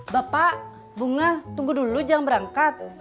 bapak bunga tunggu dulu jam berangkat